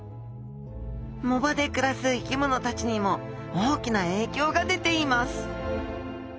藻場で暮らす生き物たちにも大きな影響が出ています。